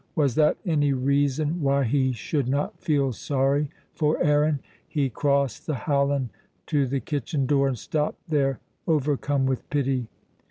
Was that any reason why he should not feel sorry for Aaron? He crossed the hallan to the kitchen door, and stopped there, overcome with pity.